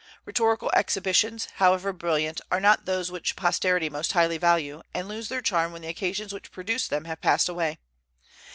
Rhetorical exhibitions, however brilliant, are not those which posterity most highly value, and lose their charm when the occasions which produced them have passed away.